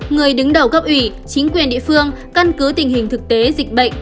người đứng đầu cấp ủy chính quyền địa phương căn cứ tình hình thực tế dịch bệnh